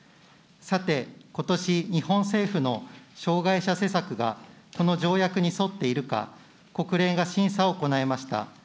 さて、ことし、日本政府の障害者施策がこの条約に沿っているか、国連が審査を行いました。